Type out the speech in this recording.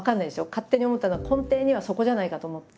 勝手に思ったのは根底にはそこじゃないかと思って。